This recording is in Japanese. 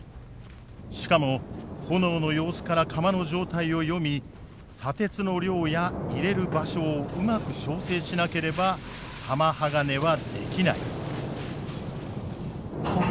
しかも炎の様子から釜の状態を読み砂鉄の量や入れる場所をうまく調整しなければ玉鋼はできない。